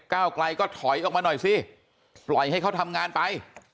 ก้าวไกลก็ถอยออกมาหน่อยสิปล่อยให้เขาทำงานไป